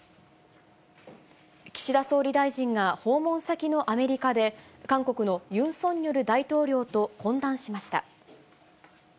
岸田総理大臣が訪問先のアメリカで、韓国のユン・ソンニョル大統領と懇談しました。